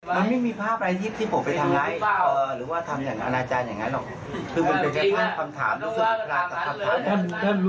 แล้วพี่ท่านไปเตะอาจารย์โอเคนะเพราะเศรษฐการ